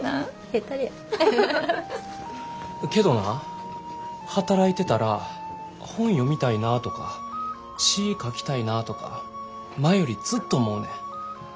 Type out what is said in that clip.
けどな働いてたら本読みたいなとか詩ぃ書きたいなぁとか前よりずっと思うねん。